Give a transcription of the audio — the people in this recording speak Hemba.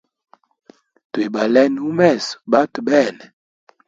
Twibalene umeso batwe bene.